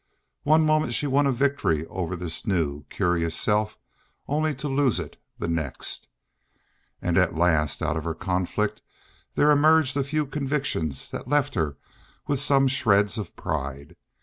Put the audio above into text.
One moment she won a victory over, this new curious self, only to lose it the next. And at last out of her conflict there emerged a few convictions that left her with some shreds of pride.